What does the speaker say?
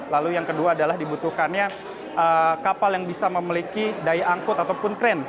lalu yang kedua adalah dibutuhkannya kapal yang bisa memiliki daya angkut ataupun kren